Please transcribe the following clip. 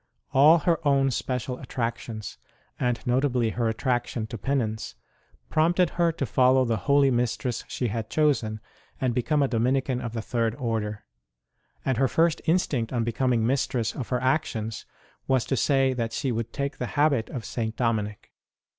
All her own special attractions, and notably her attraction to penance, prompted her to follow the holy mistress she had chosen, and become a Dominican of the Third Order ; and her first instinct on becoming mistress of her actions was to say that she would take the habit of St. Dominic.